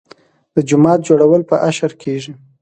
د جومات جوړول په اشر کیږي.